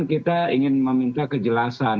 kita ingin meminta kejelasan